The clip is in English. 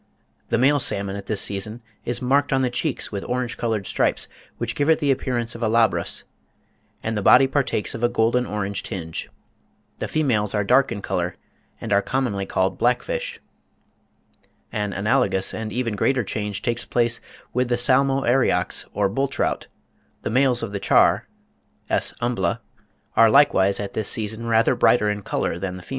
The male salmon at this season is "marked on the cheeks with orange coloured stripes, which give it the appearance of a Labrus, and the body partakes of a golden orange tinge. The females are dark in colour, and are commonly called black fish." (22. Yarrell, 'History of British Fishes,' vol. ii. 1836, pp. 10, 12, 35.) An analogous and even greater change takes place with the Salmo eriox or bull trout; the males of the char (S. umbla) are likewise at this season rather brighter in colour than the females.